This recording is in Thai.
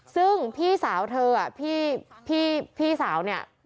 ซึ่งพี่สาวเธอพี่สาวเนี่ย